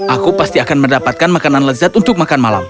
aku pasti akan mendapatkan makanan lezat untuk makan malam